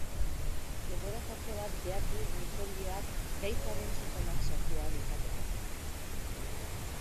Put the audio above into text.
Denbora-tarte bat behar du mikrobioak gaitzaren sintomak sortu ahal izateko.